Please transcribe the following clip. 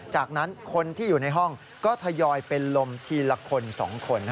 จากนั้นคนที่อยู่ในห้องก็ทยอยเป็นลมทีละคน๒คน